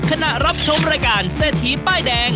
ขณะรับชมรายการเซทีป้ายแดง